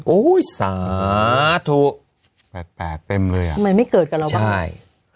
โอ้ยซาถูกแปลกเต็มเลยอ่ะทำไมไม่เกิดกับเราบ้างใช่